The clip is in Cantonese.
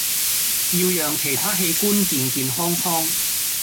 要讓其他器官健健康康